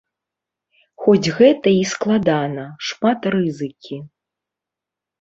Хоць гэта і складана, шмат рызыкі.